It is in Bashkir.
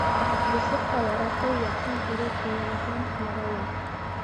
Дуҫлыҡ та яратыу, яҡын күреү тойғоһонан ярала.